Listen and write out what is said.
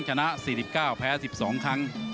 ชนะ๔๙แพ้๑๒ครั้ง